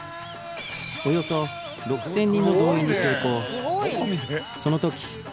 およそ６０００人の動員に成功